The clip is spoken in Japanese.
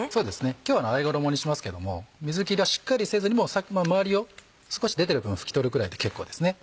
今日はあえ衣にしますけども水切りはしっかりせずに周りを少し出てる分拭き取るくらいで結構です。